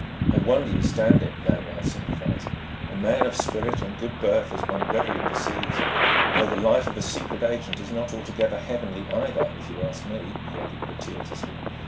"I wonder you stand it," Lanyard sympathised "a man of spirit and good birth, as one readily perceives. Though the life of a secret agent is not altogether heavenly either, if you ask me," he added gratuitously.